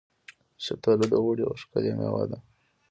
شفتالو د اوړي یوه ښکلې میوه ده.